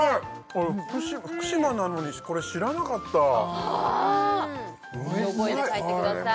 俺福島なのにこれ知らなかったうんまい覚えて帰ってください